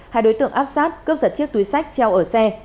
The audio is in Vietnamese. hai đối tượng áp sát cướp giật chiếc túi sách treo ở xe